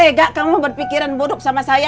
asal kamu berpikiran buruk sama saya